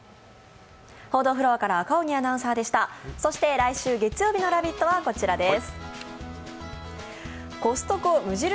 来週月曜日の「ラヴィット！」はこちらです。